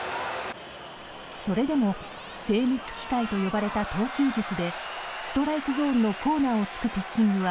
それでも精密機械と呼ばれた投球術でストライクゾーンのコーナーを突くピッチングは